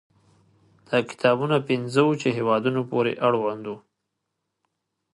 دا کتابونه پنځو وچه هېوادونو پورې اړوند وو.